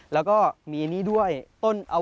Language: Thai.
แล้วมีเอนี่ด้วยต้นอัวโอคาโดครับ